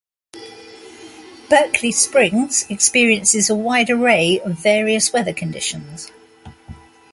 Berkeley Springs experiences a wide array of various weather conditions.